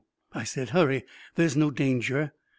" I said. " Hurry ! There's no dan ger!"